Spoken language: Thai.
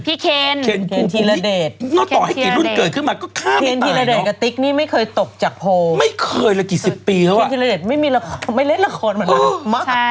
พี่เคนทีละเด็ดกับติ๊กนี่ไม่เคยตกจากโพลไม่เล่นละครเหมือนเรา